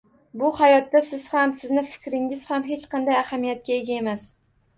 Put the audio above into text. Bu hayotda siz ham, sizni fikringiz ham hech qanday ahamiyatga ega emas